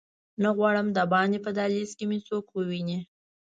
نه غواړم دباندې په دهلېز کې مې څوک وویني.